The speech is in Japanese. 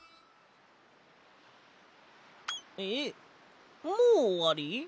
えっもうおわり？